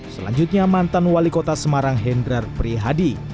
selanjutnya mantan wali kota semarang hendrar prihadi